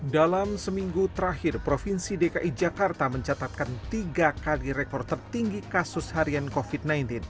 dalam seminggu terakhir provinsi dki jakarta mencatatkan tiga kali rekor tertinggi kasus harian covid sembilan belas